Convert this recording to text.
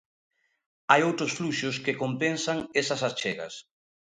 Hai outros fluxos que compensan esas achegas.